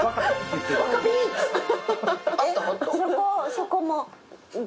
そこも。